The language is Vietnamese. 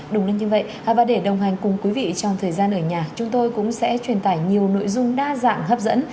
đúng lên như vậy và để đồng hành cùng quý vị trong thời gian ở nhà chúng tôi cũng sẽ truyền tải nhiều nội dung đa dạng hấp dẫn